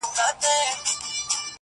هغه تر اوسه د دوو سترگو په تعبير ورک دی,